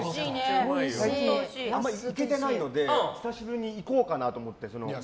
あんまり行けてないので久しぶりに行こうかなって。